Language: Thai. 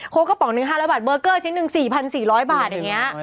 กระป๋องหนึ่ง๕๐๐บาทเบอร์เกอร์ชิ้นหนึ่ง๔๔๐๐บาทอย่างนี้